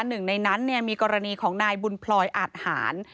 หนึ่งในนั้นมีกรณีของนายบุญพลอยอาทหาร